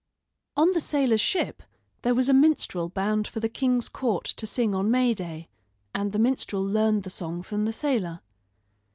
On the sailor's ship there was a minstrel bound for the king's court to sing on May Day; and the minstrel learned the song from the sailor.